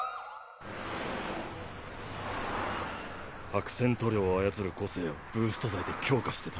白線塗料を操る個性をブースト剤で強化してた。